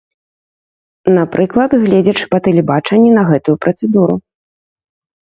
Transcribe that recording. Напрыклад, гледзячы па тэлебачанні на гэтую працэдуру.